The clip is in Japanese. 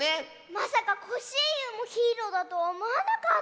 まさかコッシーユもヒーローだとはおもわなかった。